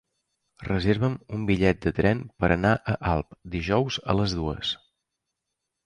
Reserva'm un bitllet de tren per anar a Alp dijous a les dues.